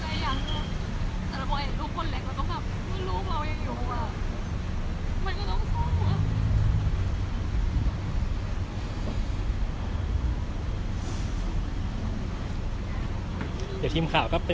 แต่เราก็เห็นลูกคนเล็กแล้วก็แบบว่าลูกเรายังอยู่อ่ะ